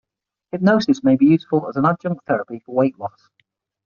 Hypnosis may be useful as an adjunct therapy for weight loss.